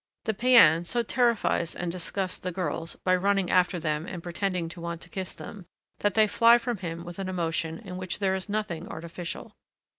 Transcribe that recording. The païen so terrifies and disgusts the girls, by running after them and pretending to want to kiss them, that they fly from him with an emotion in which there is nothing artificial.